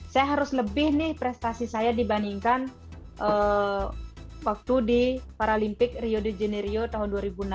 saya harus lebih nih prestasi saya dibandingkan waktu di paralimpik rio de janeirio tahun dua ribu enam belas